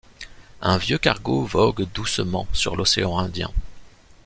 Un vieux cargo vogue doucement sur l'océan Indien.